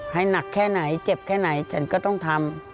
ให้หนักแค่ไหนเจ็บแค่ไหนฉันก็ต้องทำ